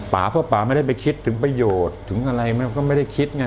ป่าเพราะป่าไม่ได้ไปคิดถึงประโยชน์ถึงอะไรมันก็ไม่ได้คิดไง